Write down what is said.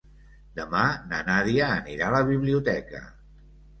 Demà na Nàdia anirà a la biblioteca.